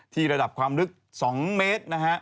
ที่ระดับความลึก๒เมตร